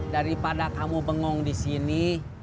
daripada kamu bengong disini